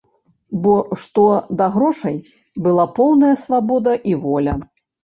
Бо, што да грошай, была поўная свабода і воля.